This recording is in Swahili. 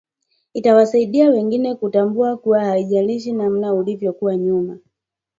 itawasaidia wengine kutambua kuwa haijalishi namna ulivyokuwa nyuma